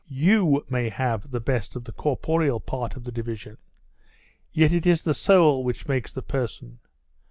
You may have the best of the corporeal part of the division.... yet it is the soul which makes the person.